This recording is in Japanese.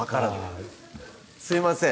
あすいません